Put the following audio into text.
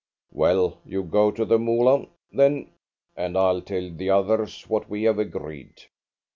Well, you go to the Moolah, then, and I'll tell the others what we have agreed."